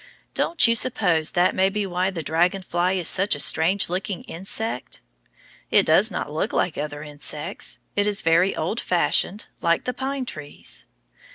Don't you suppose that may be why the dragon fly is such a strange looking insect? It does not look like other insects; it is very old fashioned, like the pine trees.